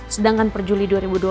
sedangkan per juli dua ribu dua puluh